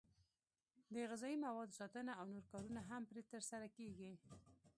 د غذایي موادو ساتنه او نور کارونه هم پرې ترسره کېږي.